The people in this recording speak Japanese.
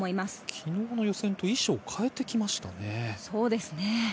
昨日の予選と衣装を変えてきましたね。